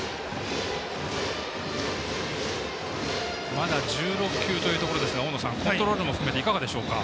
まだ１６球というところですが大野さん、コントロールも含めていかがでしょうか？